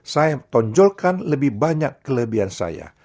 saya tonjolkan lebih banyak kelebihan saya